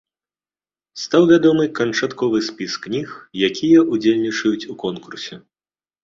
Стаў вядомы канчатковы спіс кніг, якія ўдзельнічаюць у конкурсе.